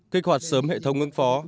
kích hoạt sớm hệ thống ngưng phó